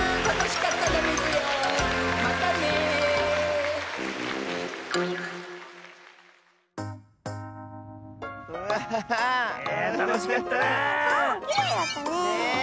かわもきれいだったね。